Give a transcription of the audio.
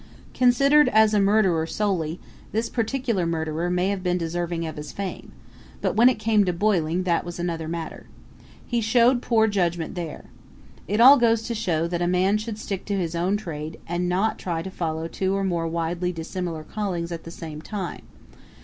Considered as a murderer solely this particular murderer may have been deserving of his fame; but when it came to boiling, that was another matter. He showed poor judgment there. It all goes to show that a man should stick to his own trade and not try to follow two or more widely dissimilar callings at the same time.